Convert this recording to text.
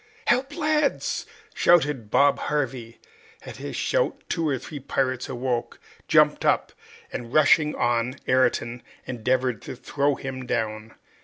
"Help, lads!" shouted Bob Harvey. At his shout two or three pirates awoke, jumped up, and, rushing on Ayrton, endeavored to throw him down.